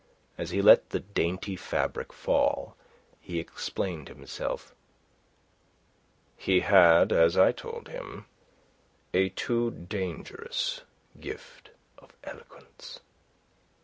As he let the dainty fabric fall, he explained himself. "He had, as I told him, a too dangerous gift of eloquence."